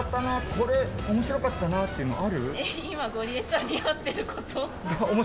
これおもしろかったなっていうのある？